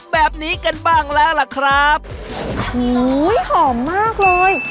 แบบนี้กันบ้างแล้วล่ะครับโอ้โหหอมมากเลย